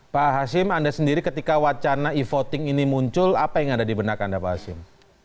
pak hashim anda sendiri ketika wacana e voting ini muncul apa yang ada di benak anda pak hasim